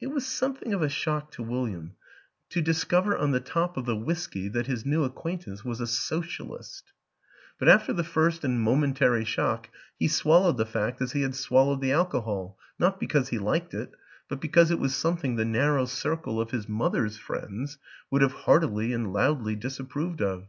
It was somewhat of a shock to William to dis 14 WILLIAM AN ENGLISHMAN cover on the top of the whisky that his new ac quaintance was a Socialist; but after the first and momentary shock he swallowed the fact as he had swallowed the alcohol not because he liked it, but because it was something the narrow circle of his mother's friends would have heartily and loudly disapproved of.